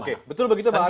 oke betul begitu bang hata